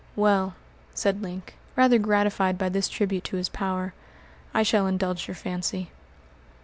"Well," said Link, rather gratified by this tribute to his power, "I shall indulge your fancy."